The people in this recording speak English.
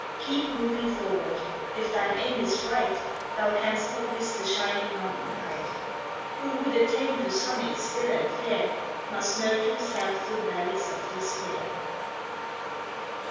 Keep moving forward; if thine aim is right Thou canst not miss the shining mountain height. Who would attain to summits still and fair, Must nerve himself through valleys of despair.